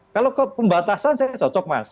kalau ke pembatasan saya cocok mas